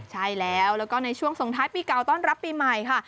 ใช่แล้วแล้วก็ในช่วงส่งท้ายปีเก่าต้อนรับปีใหม่ค่ะ